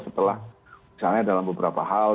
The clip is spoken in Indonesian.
setelah misalnya dalam beberapa hal